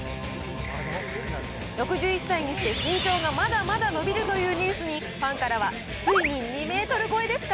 ６１歳にして身長がまだまだ伸びるというニュースに、ファンからはついに２メートル超えですか？